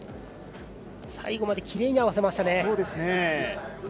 最後まできれいに合わせましたね。